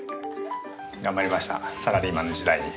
頑張りましたサラリーマンの時代に。